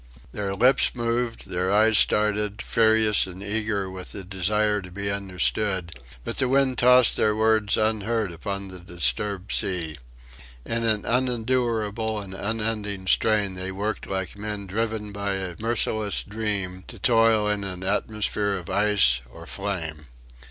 Their lips moved, their eyes started, furious and eager with the desire to be understood, but the wind tossed their words unheard upon the disturbed sea. In an unendurable and unending strain they worked like men driven by a merciless dream to toil in an atmosphere of ice or flame.